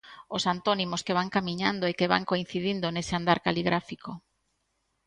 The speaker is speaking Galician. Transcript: Os antónimos que van camiñando e que van coincidindo nese andar caligráfico.